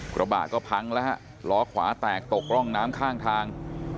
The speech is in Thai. กระบะก็พังแล้วฮะล้อขวาแตกตกร่องน้ำข้างทาง